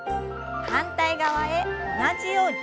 反対側へ同じように。